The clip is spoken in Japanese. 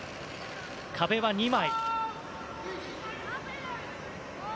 壁は２枚。